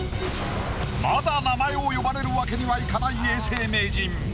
まだ名前を呼ばれるわけにはいかない永世名人。